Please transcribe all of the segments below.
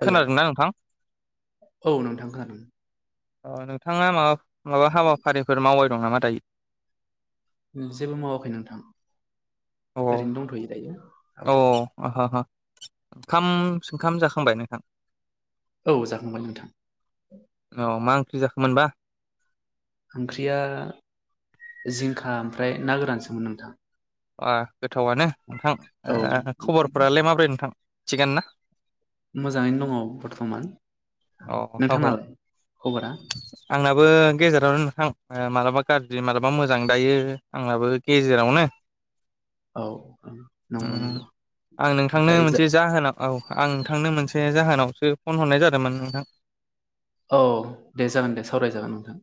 हेल' खोनादोंना नोंथां औ नोंथां खोनादों अ नोंथाङा माबा माबा हाबाफारिफोर मावबाय दं नामा दायो जेबो मावाखै नोंथां अ ओरैनो दंथ'यो दायो औ अ हा ओंखाम सोंखाम जाखांबाय नोंथां औ जाखांबाय नोंथां मोनबा ओंख्रिया जिंखा ओमफ्राय ना गोरानसोमोन नोंथां अ गोथावनो नोंथां औ आ नोंथां खबरफोरालाय माब्रै नोंथां थिगानो ना मोजाङैनो दङ बर्थमान अ औ नोंथाङालाय खबरा आंबो गेजेरावनो नोंथां मालाबा गाज्रि मालाबा मोजां दायो आंनाबो गेजेरावनो औ औ नंगौ नंगौ आं नोंथांनो ओमफ्राय जा मोनसे जाहोनाव औ आं नोंथांनो मोनसे जाहोनावसो फन हरनाय जादोंमोन नोंथां औ दे जागोन दे सावराय जागोन नोंथां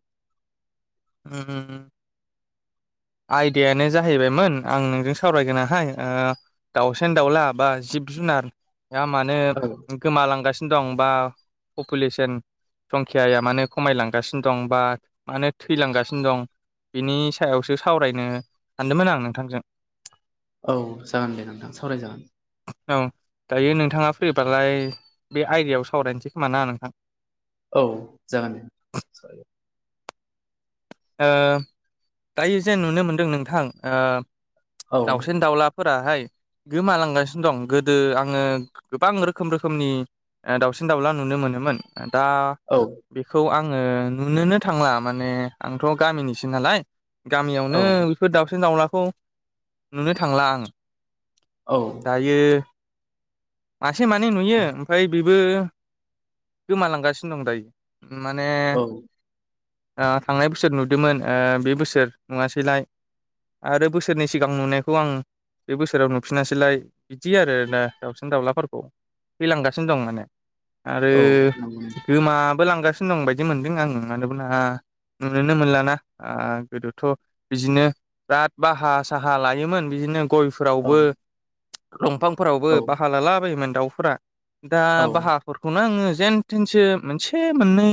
ओम ओम ओम आयदायानो जाहैबायमोन आं नोंजों सावरायगोनहाय अ दाउसेन दाउला बा जिब जुन नार आ मानो औ गोमालांगासिनो दं बा पपुलेसन संखियाया मानो खमायलांगासिनो दं बा मानो थैलांगासिनो दं बिनि सायावसो सावरायनो सानदोंमोन आं नोंथांजों। औ जागोन दे नोंथां सावरायजागोन। औ दायो नोंथाङा फ्रिबालाय बे आयदायाव सावरायनोसै खोमा ना नोंथां औ जागोन दे। ओ दायो जों नुनो मोनदों नोंथां ओ औ दाउसिन दाउलाफोराहाय गोमालांगासिनो दं गोदो आङो गोबां रोखोम रोखोमनि दाउसिन दाउला नु नो मोनोमोन दा औ बेखौ आङो नुनोनो थांला माने आंथ' गामिनिसो नालाय गामियावनो औ बेफोर दाउसिन दाउला खौ नुनो थांला आं। दायो मासे मानै नुयो ओमफ्राय बेबो गोमालांगासिनो दं दायो। माने औ आ थांनाय बोसोर नुदोंमोन ओ बे बोसोर नुवासैलाय आरो बोसोरनि सिगां नुनायखौ आं बे बोसोराव नुफिनासैलाय बिदि आरो ना दाउसिन दाउलाफोरखौ थैलांगासिनो दं माने। आरो औ नंगौ गोमाबो लांगासिनो दं बायदि मोनदों आङो मानोबोला नुनोनो मोनला ना आ गोदोथ' बिदिनो बिराद बाहा साहा लायोमोन बिदिनो औ गयफोरावबो दंफांफोरावबो औ बाहा लालाबायोमोन दाउफोरा। दा औ बाहाफोरखौनो आङो जेन थेनसो मोनसे मोननै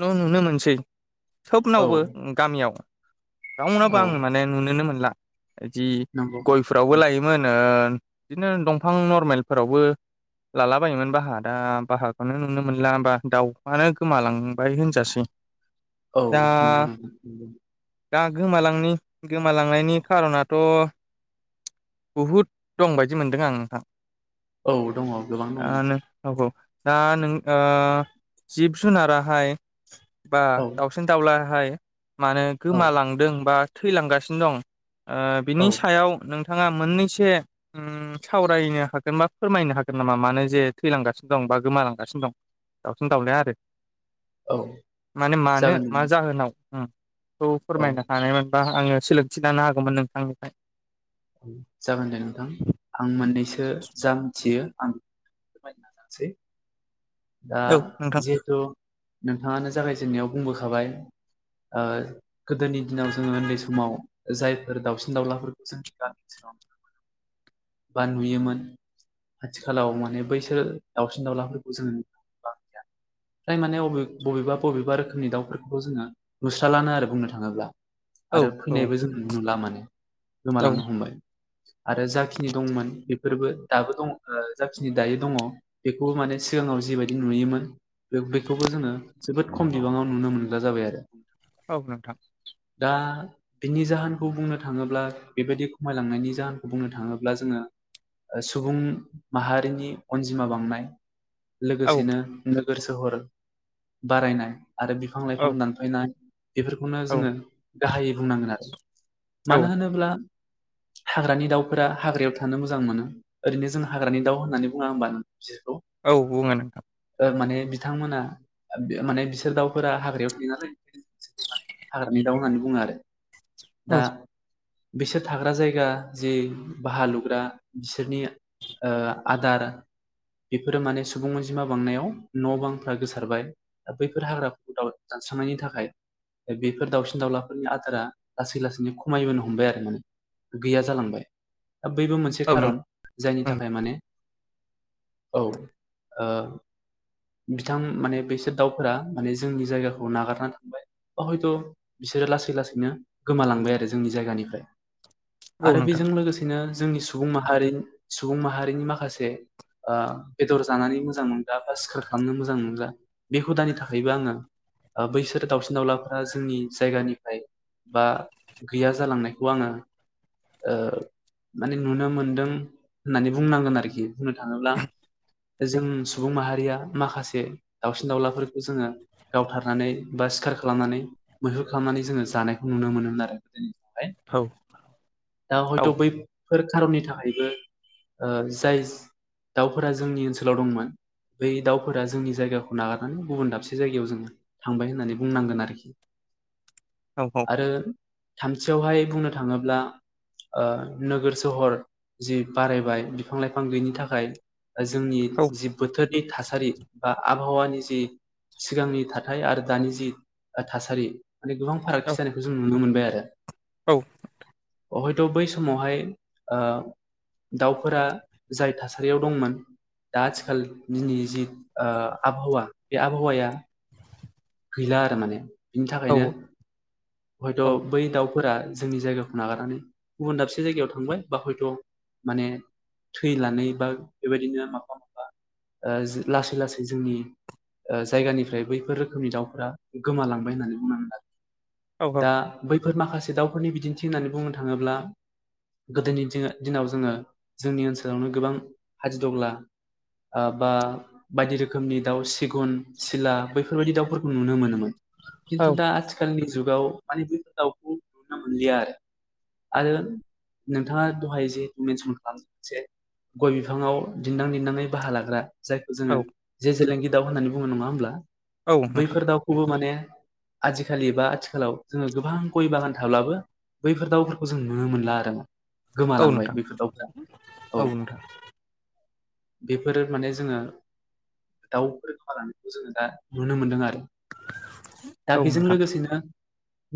ल' नुनो मोनसै। सोबनावबो औ गामियाव औ रावनावबो आं माने नुुनोनो मोनला। बिदि नंगौ गयफोरावबो लायोमोन ओ बिदिनो दंफां नरमेलफोरावबो लालाबायायोमोन बाहा दा बाहाखौनो नुनो मोनला बा दाउआनो गोमालांबाय होनजासै। औ दा नंगौ नंगौ नोंथां नंगौ। दा गोमालांनि गोमालांनायनि कार'नाथ' बहुद दं बायदि मोनदों आं नोंथां। औ दङ गोबां दङ आनो [unintelligible] दा नों ओ जिब जुनाराहाय बा औ दावउलाहाय मानो औ गोमालांदों बा थैलांगासिनो दं ओ औ बिनि सायाव नों थाङा मोननैसो ओम सावरायनो हागोन बा फोरमायनो हागोन नामा मानो जे थैलांगासिनो दं। बा गोमालांगासिनो दं दाउसिन दाउलाया आरो औ माने मानो जागोन दे मा जाहोनाव उम बेखौ औ फोरमायनो हानाय बा आङो सोलोंथि लानो हागौमोन नोंथांनिफ्राय जागोन दे नोंथां आं मोननैसो जा मिथियो आं फोरमायनो नाजानोसै। दा औ नोंथां जिहेथु नोंथाङानो जागायजेननायाव बुंबोखाबाय ओ गोदोनि दिनाव जोङो उन्दै समाव जायफोर दाउसिन दाउलाफोरखौ जोंनि गामि ओनसोलाव [inaudible] बा नुयोमोन आथिखालाव माने बैसोर दावसिन दाउलाफोरखौ जोङो मोनला। [inaudible] फ्राय माने अबे बबेबा बबेबा रोखोमनि दाउफोरखौ जोङो नुस्राला लानो आरो बुंनो थाङोब्ला। औ आरो औ फैनायबो जों नुनो मोनला माने औ गोमालांनो हमबाय। आरो जाखिनि दंमोन बेफोरबो दाबो दं ओ जाखिनि दायो दङ' बेखौबो माने सिगाङाव जिबाय दि नुयोमोन बे बेखौबो जोङो जोबोद खम बिबाङाव नुनो मोनग्रा जाबाय आरो औ नोंथां। दा बिनि जाहोनखौ बुंनो थाङोब्ला बे बायदि खमायलांनायनि जाहोनखौ बुंनो थाङोब्ला जोङो ओ सुबुं माहारिनि अनजिमा बांनाय लोगो औ दिनो नोगोर सहर बारायनाय आरो बिफां लाइफां औ दानफानाय बेफोरखौनो औ जोङो गाहायै बुंनांगोन आरो औ मानो होनोब्ला [inaudible] हाग्रानि दाउफोरा हाग्रायाव थानो मोजां मोनो ओरैनो जों हाग्रानि दाउ होननानै बुङा होनबा बिसोरखौ? औ बुङो नोंथां। ओं माने बिथांमोना ओ बे माने बिसोर दाउफोरा हाग्रायाव थायो नालाय [unintelligible] [unintelligible] हाग्रानि दाउ होननानै बुङो आरो दा औ बिसोर थाग्रा जायगा जि बाहा लुग्रा बिसोरनि ओ आदार बेफोरो माने सुबुं जिमा बांनायाव न बांफ्रा गोसारबाय बैफोर हाग्राफोरखौ दानस्रांनायनि थाखाय बेफोर दाउसिन दाउलाफोरनि आदारा लासै लासैनो खमायबोनो हमबाय आरो माने गैया जालांबाय। दा बैबो मोनसे औ नों खारन जायनि थाखाय माने औ ओ बिथां माने बेसोर दाउफोरा माने जोंनि जायगाखौ नागारनानै थांबाय बा हयथ' बिस सोरो लासै लासैनो गोमालांबाय आरो जोंनि जायगानिफ्राय औ आरो नोंथां बेजों लोगोसेनो जोंनि सुबुं माहारिन सुबुं माहारिनि ओ माखासे ओ बेदर जानानै मोजां मोनग्रा बा सिखार खालामनो मोजां मोनग्रा बे हु दानि थाखायबो आङो ओ बैसोर दावउसिन दाउलाफोरा जोंनि जायगानिफाय बा गैया जालांनायखौ आङो ओ माने नुनो मोनदों होननानै बुंनांगोन आरोखि बुंनो थाङोब्ला जों सुबुं माहारिया माखासे दावसिन दाउलाफोरखौ जोङो गावथारनानै बा सि सिखार खालामनानै मैहुर खालामनानै जोङो जानायखौ नुनो मोनोमोन आरो उम। [unintelligible] औ औ दा औ हयथ' बै फोर खारननि थाखायबो ओ जाय दाउफोरा जोंनि ओनसोलाव दंमोन बै दाउफोरा जोंनि जायगाखौ नागारनानै गुबुन दाबसे जायगायाव जोङो थांबाय होननानै बुंनांगोन आरोखि औ आरो थामथियावहाय बुंनो थाङोब्ला ओ नोगोर सहर जि बारायबाय बिफां लाइफां गैयनि थाखाय जों जि बोथोरनि थासारि बा आब हावानि जि सिगांनि थाथाय आरो दानि ओ जि थासारि माने गोबां फारागथि जानायखौ जों नुनो मोनबाय आरो औ। हयथ' बै समावहाय ओ दाउफोरा जाय थासारियाव दंमोन दा आथिखालनि जि ओ आबहावा बे आबहावाया गैला आरो माने बिनि औ थाखायनो हयथ' औ बै दाउ फोरा जोंनि जायगाखौ नागारनानै गुबुन दाबसे जायगायाव थांबाय बा हयथ' माने थैनानै बा बेबायदिनो माफा माफा ओ जो लासै लासै जोंनि ओ जायगानिफ्राय बैफोरो [unintelligible] दाउफोरा गोमालांबाय होननानै बुंनानै लादो औ दा बै। फोर माखासे दाउफोरनि बिदिन्थि होननानै बुंनो थाङोब्ला। गोदोनि दिङो दिनाव जोङो जोंनि ओनसोलावनो गोबां हादिदग्ला। ओ बा बायदि रोखोमनि दाउ सिगुन। सिला बैफोरबायदि दाउफोरखौ नुनो मोनोमोन औ खिन्थु दा आथिखालनि ज जुगाव माने बेफोर दाउखौ नुनो मोनलिया आरो आरो नोंथाङा दहाय जे मेनसन खालामदों जे गय बिफाङाव दिन्दां दिन्दाङै बाहा लाग्रा। जायखौ औ जोङो जे जेलिंगि दाउ होननानै बुङो नङा होमब्ला औ नोंथां बैफोर दाउखौबो माने आजिखालि बा आथिखालाव जोङो गोबां गय बागान थाब्लाबो। बैफोर दाउफोरखौ जों नुनो मोनला आरो औ गोमालांबाय नोंथां बेफोर दावफोरा औ। बेफोरो माने जोङो दाउफोर खानायखौ जोङो दा नुनो मोनदों आरो दा औ बेजों नोंथां लोगोसेनो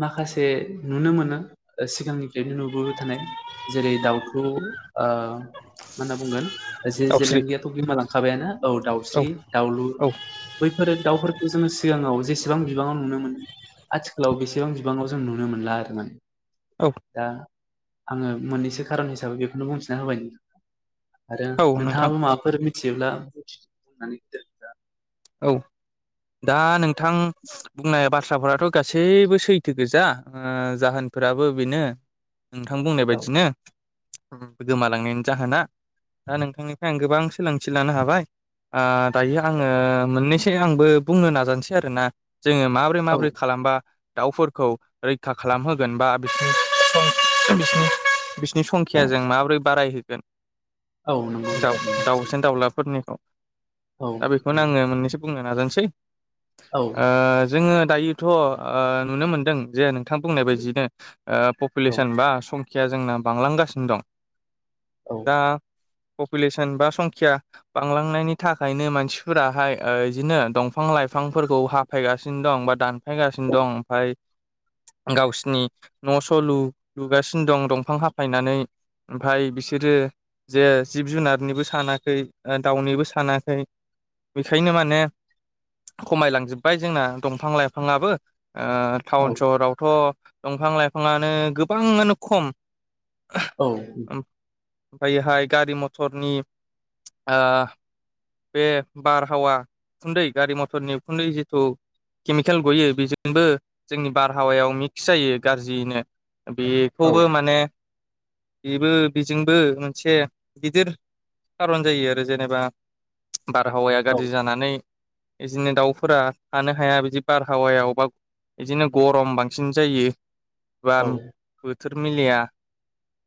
माखासे नुनो मोनो सिगांनिफ्रायनो नुबोबाय थानाय जेरै- दाउथु ओ मा होनना बुंगोन जे दाउस्रि जेलेंगियाथ' बिमालांखाबायानो औ दाउस्रि दाउलुर औ बैफोरो दाउफोरखौ जोङो सिगाङाव जेसेबां बिबाङाव नुनो मोन आथिखालाव बेसेबां बिबाङाव जों नुनो मोनला आरोना। औ दा आङो मोननैसो खारन हिसाबै बेखौनो बुंथिना होबाय। आरो औ नोंथां नोंथाङाबो माबाफोर मिथियोब्ला औ। दा नोंथां बुंनाय बाथ्राफोराथ' गासैबो सैथो गोजा ओ जाहोन फोराबो बेनो नोंथां बुंनाय बायदिनो गोमालांनायनि जाहोना। दा नोंथांनिफ्राय आं गोबां सोलोंथि लानो हाबाय ओ दायो आङो मोननैसै आंबो बुंनो नाजानोसै आरोना जोङो औ माब्रै-माब्रै खालामबा दाउफोरखौ रैखा खालामहोगोन बा बिसिनि सं बिसिनि बिसिनि संखियाजों माबोरै बारायहोगोन। औ नंगौ दउ नोंथां नंगौ दाउसिन दाउलाफोरनिखौ औ। फंनैसो बुंनो नाजानोसै औ ओ जोङो दायोथ' ओ नुनो मोनदों जे नोंथां बुंनाय बायदियैनो औ पपुलेसन बा स खिया जोंना बांलांगासिनो दं औ दा पपुलेसन बा संखिया बांलांनायनि थाखायनो मानसिफोराहाय ओ इजिनो दंफां-लाइफांफोरखौ हाफायगासिनो दं बा दानफायगासिनो दं ओमफ्राय गावसिनि न'स लु लुगासिनो दं दंफां हाफायनानै ओमफाय बिसोरो जे जिब जुनारनिबो सानाखै दाउनिबो सानाखै बेखायनो माने खमायलांजोब्बाय जोंना दंफां-लाइफाङाबो ओ टाउन सहरावथ' दंफां लाइफाङानो गोबाङानो खम। औ। ओमफायोहाय गारि मथरनि ओ बे बारहावा खुन्दै गारि मथरनि उखुन्दै जिथु केमिकेल गयो बेजोंबो जोंनि बारहावायाव मिक्स जायो गाज्रियैनो बेखौबो माने बेबो बिजोंबो मोनसे गिदिर। खारन जायो आरो जेनेबा बारहावाया औ गाज्रि जानानै इदिनो दाउफोरा थानो हाया बिदि बारहावायाव बा बिदिनो गरम बांसिन जायो। औ बाम बोथोर मिलया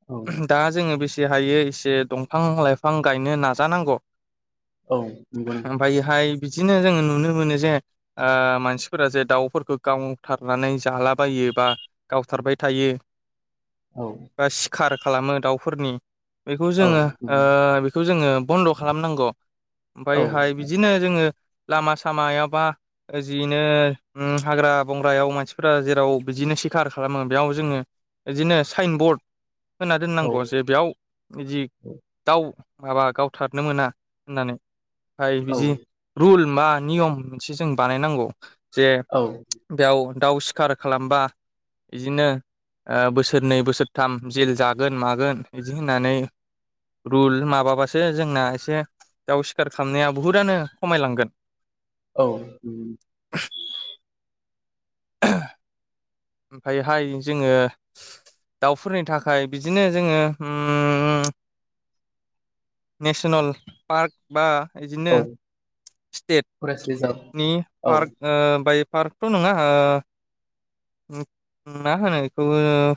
औ दा जोङो बेसे जे हायो एसे दंफां-लाइफां गायनो नाजानांगौ। औ। नंगौ नों- ओमफायो हाय बिदिनो जोङो नुनो मोनो जे ओ मानसिफोरा जे दाउफोरखौ गावथारनानै जालाबायो एबा गावथारबाय थायो औ बा सिखार खालामो दाउफोरनि बेखौ औ जोङो ओ नंगौ बेखौ जोङो बन्द'खालामनांगौ। औ ओमफ्रायहाय बिदिनो जोङो लामा सामाबा ओ जिनो हाग्रा बंग्रायाव मानसिफोरा जेराव बिदिनो सिखार खालामो बेयाव जोङो बिदिनो साइन बर्ड होना औ दोननांगौ जे बेयाव बिदि दाउ माबा गावथारनो मोना होननानै ओमफ्राय औ बिदि रुल बा नियम मोनसे जों बानायनांगौ जे औ बेयाव दाउ सिखार खालामबा बिदिनो बोसोरनै बोसोरथाम जेल जागोन मागोन बिदि होननानै रुल माबाबासो जोंना एसे दाउ सिकार खालामनाया बुहुतानो खमायलांगोन औ ओमफायहाय जोङो दाउफोरनि थाखाय बिदिनो जोङो नेसनेल पार्क बा बिदिनो औ फरेस्ट रिजार्भ स्टेटनि औ पार्क बाय पार्कथ' नङा ओ मा होनो बुखौ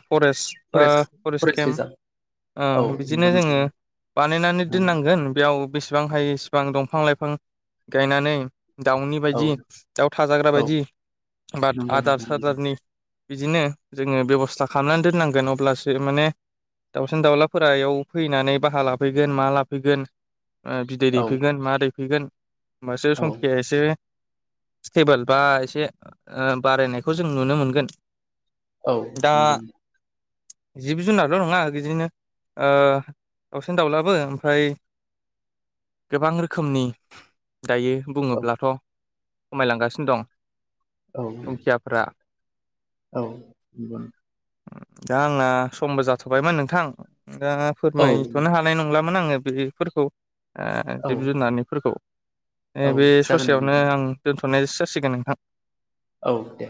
फरेस्ट बा फरेस्ट फरेस्ट रिजार्भ केम्प औ ओ बिदिनो नंगौ जोङो नोंथां बानायनानै ओं, दोननांगोन बेयाव बेसेबां हायो इसेबां दंफां लाइफां गायनानै। दाउनि औ बायदि दाउ थाजाग्रा औ बायदि बा नंगौ आदार नोंथां नंगौ सदारनि बिदिनो जोङो बेब'स्था खालामनानै दोननांगोन अब्लासो माने दाउसिन दाउलाफोरा याव फैनानै बाहा लाफैगोन मा लाफैगोन। ओ बिदै औ दैफैगोन मा दैफैगोन होनोमबासो औ संखाया एसे स्टेबोल बा एसे बारायनायखौ जों नुनो मोनगोन। गोन औ जिब जुनारल' नङा बिदिनो दाउसेन दाउलाबो ओमफ्राय गोबां रोखोमनि दायो नोंथां औ बुङोब्लाथ' खमायलांगासिनो दं औ हंखियाफोरा औ नंगौ दा आंना समबो जाथ'बायमोन नोंथां दा नोंथां फोरमायथ'नो औ हानाय नंला मोन आङो बेफोरखौ ओ जिबनि जुनारफोरखौ औ बे जागोन दे ससेयावनो नोंथां आं दोन्थ'नायो जासिगोन नोंथां औ दे